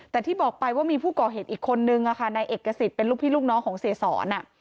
แต่ที่บอกไปว่ามีผู้ก่อเหตุอีกคนนึงนายเอกสิทธิ์เป็นลูกพี่ลูกน้องของเสียสอน